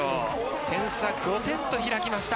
点差５点と開きました。